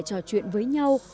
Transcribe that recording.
trò chuyện với nhau